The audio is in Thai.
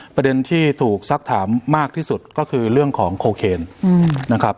ประเด็นที่ถูกซักถามมากที่สุดก็คือเรื่องของโคเคนนะครับ